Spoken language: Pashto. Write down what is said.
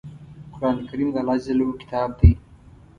قرآن کریم د الله ﷺ کتاب دی.